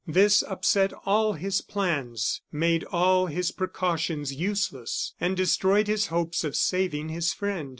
This upset all his plans, made all his precautions useless, and destroyed his hopes of saving his friend.